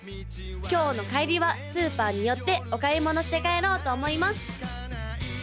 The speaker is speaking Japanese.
今日の帰りはスーパーに寄ってお買い物して帰ろうと思います